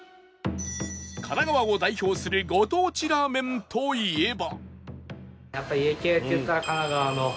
神奈川を代表するご当地ラーメンといえば